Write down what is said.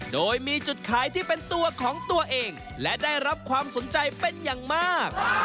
โดยมีจุดขายที่เป็นตัวของตัวเองและได้รับความสนใจเป็นอย่างมาก